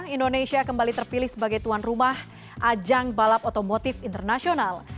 indonesia kembali terpilih sebagai tuan rumah ajang balap otomotif internasional